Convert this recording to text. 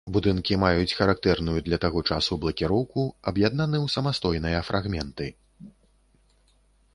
Будынкі маюць характэрную для таго часу блакіроўку, аб'яднаны ў самастойныя фрагменты.